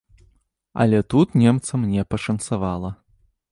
Але тут немцам не пашанцавала.